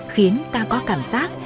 khiến ta có cảm giác